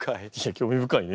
興味深いね。